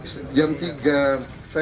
saya baru dengar jam tiga hari ini bahwa